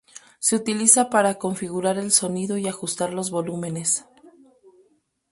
Se utiliza para configurar el sonido y ajustar los volúmenes.